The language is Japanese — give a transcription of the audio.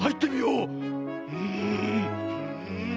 うん！